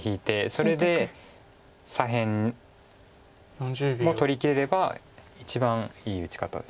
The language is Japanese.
それで左辺も取りきれれば一番いい打ち方です。